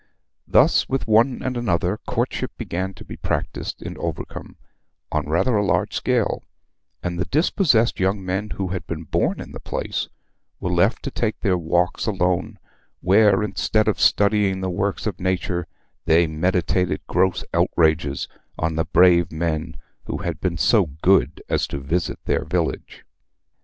Thus, with one and another, courtship began to be practised in Overcombe on rather a large scale, and the dispossessed young men who had been born in the place were left to take their walks alone, where, instead of studying the works of nature, they meditated gross outrages on the brave men who had been so good as to visit their village.